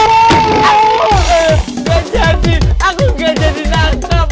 nggak jadi aku nggak jadi nakam